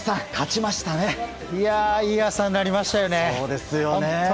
いい朝になりましたよね。